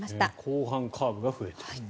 後半カーブが増えている。